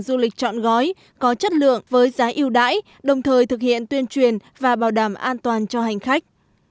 du lịch chọn gói có chất lượng với giá yêu đãi đồng thời thực hiện tuyên truyền và bảo đảm an toàn cho hành khách